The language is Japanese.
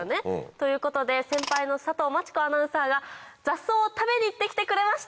ということで先輩の佐藤真知子アナウンサーが雑草を食べに行って来てくれました！